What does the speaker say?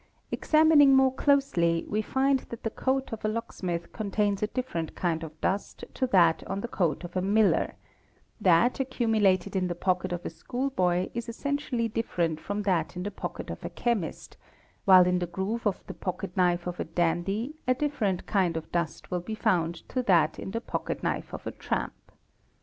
Examining more closely, we find that the coat of a locksmith contains a different kind of dust to that on the coat of a miller: that accumulated in the pocket of a school boy is essentially — different from that in the pocket of a chemist; while in the groove of the pocket knife of a dandy a different kind of dust will be found to that in the pocket knife of a tramp.